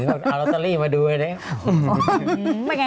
เขาเอาร็อเตอรี่มาดูอย่างนี้